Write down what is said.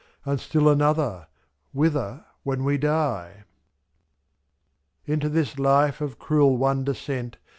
And still another — whither when we die? Into this life of cruel wonder sent.